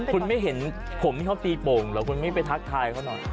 คุณไม่เห็นผมที่เขาตีโป่งเหรอคุณไม่ไปทักทายเขาหน่อย